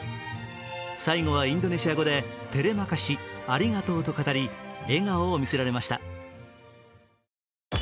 最後はインドネシア語でテレマカシ＝ありがとうと語り笑顔を見せられました。